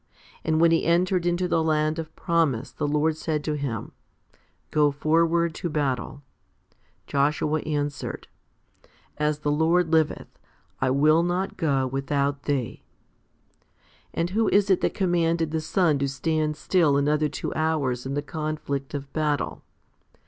And when he entered into the land of promise, the Lord said to him, "Go 308 HOMILY L 309 forward to battle "; Joshua answered, " As the Lord liveth, I will not go without Thee." 1 And who is it that com manded the sun to stand still another two hours in the conflict of battle?